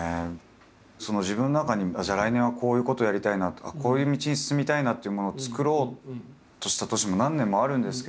自分の中にじゃあ来年はこういうことやりたいなとかこういう道に進みたいなというものを作ろうとした年も何年もあるんですけど。